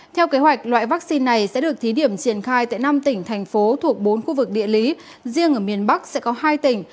theo kế hoạch loại vaccine này sẽ được thí điểm triển khai tại năm tỉnh thành phố thuộc bốn khu vực địa lý riêng ở miền bắc sẽ có hai tỉnh